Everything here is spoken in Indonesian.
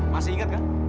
masih ingat kan